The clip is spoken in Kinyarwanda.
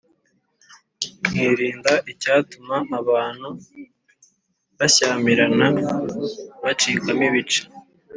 nkirinda icyatuma abantu bashyamirana, bacikamo ibice.